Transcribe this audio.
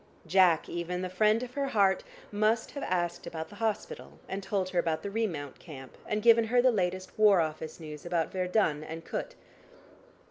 Jack even, the friend of her heart, must have asked about the hospital, and told her about the remount camp, and given her the latest War Office news about Verdun and Kut.